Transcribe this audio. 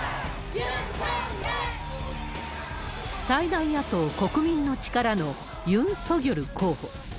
最大野党、国民の力のユン・ソギョル候補。